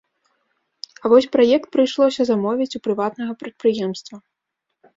А вось праект прыйшлося замовіць у прыватнага прадпрыемства.